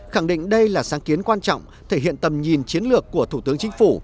khẳng định đây là sáng kiến quan trọng thể hiện tầm nhìn chiến lược của thủ tướng chính phủ